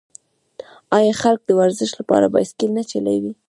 آیا خلک د ورزش لپاره بایسکل نه چلوي؟